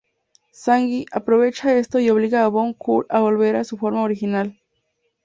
Sanji aprovecha esto y obliga a Bon Kure a volver a su forma original.